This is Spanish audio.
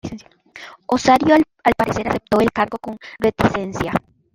Osorio, al parecer, aceptó el cargo con reticencia.